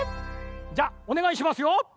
じゃおねがいしますよ。